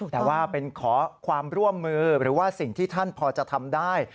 แต่ว่าเป็นขอความร่วมมือหรือว่าสิ่งที่ท่านพอจะทำได้